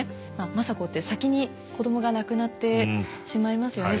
政子って先に子どもが亡くなってしまいますよね。